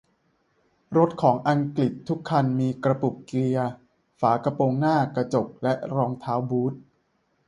รถของอังกฤษทุกคันมีกระปุกเกียร์ฝากระโปรงหน้ากระจกและรองเท้าบูท